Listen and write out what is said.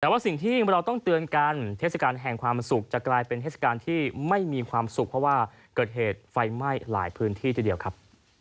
แต่ว่าสิ่งที่เราต้องเตือนกันเทศกาลแห่งความสุขจะกลายเป็นเทศกาลที่ไม่มีความสุขเพราะว่าเกิดเหตุไฟไหม้หลายพื้นที่ทีเดียวครับ